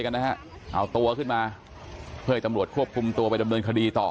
กันนะฮะเอาตัวขึ้นมาเพื่อให้ตำรวจควบคุมตัวไปดำเนินคดีต่อ